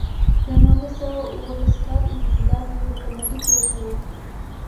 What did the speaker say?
د نولس سوه اوولس کال انقلاب یوه خونړۍ پېښه وه.